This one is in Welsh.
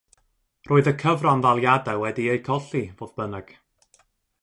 Roedd y cyfranddaliadau wedi eu colli, fodd bynnag.